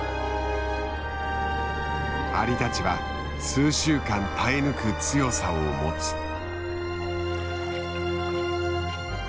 アリたちは数週間耐え抜く強さを持つ。